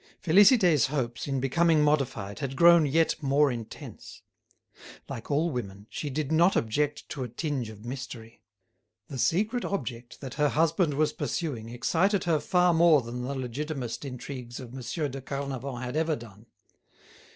Félicité's hopes, in becoming modified, had grown yet more intense. Like all women, she did not object to a tinge of mystery. The secret object that her husband was pursuing excited her far more than the Legitimist intrigues of Monsieur de Carnavant had ever done.